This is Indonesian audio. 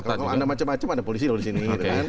kalau ada macam macam ada polisi disini